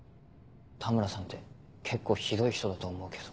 田村さんって結構ひどい人だと思うけど。